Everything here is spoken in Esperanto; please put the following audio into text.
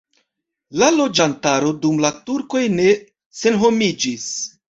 La loĝantaro dum la turkoj ne senhomiĝis.